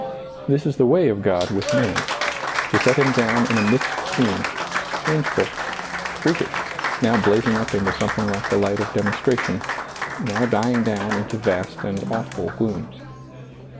This is the way of God with man, to set him down in a mixed scene, changeful, freak ish, now blazing up into something like the light of demonstration — now dying down into vast and awful glooms.